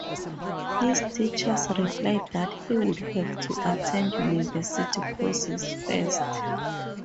His teachers replied that he would have to attend university courses first.